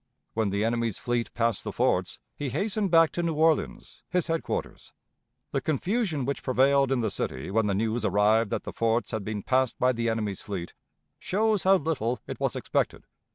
When the enemy's fleet passed the forts, he hastened back to New Orleans, his headquarters. The confusion which prevailed in the city, when the news arrived that the forts had been passed by the enemy's fleet, shows how little it was expected.